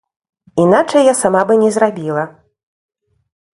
Іначай я сама бы не зрабіла.